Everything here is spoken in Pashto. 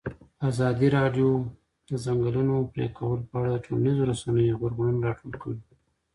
ازادي راډیو د د ځنګلونو پرېکول په اړه د ټولنیزو رسنیو غبرګونونه راټول کړي.